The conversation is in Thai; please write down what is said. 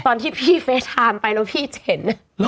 ตอนที่พี่เฟสไทม์ไปแล้วพี่เห็น